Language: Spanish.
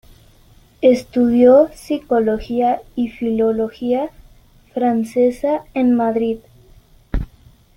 Estudió Psicología y Filología francesa en Madrid.